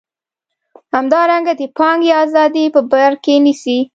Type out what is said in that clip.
همدارنګه د پانګې ازادي په بر کې نیسي.